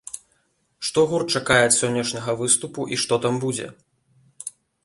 Што гурт чакае ад сённяшняга выступу і што там будзе?